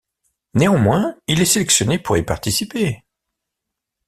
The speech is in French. Néanmoins, il est sélectionné pour y participer.